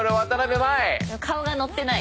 顔がノッてない。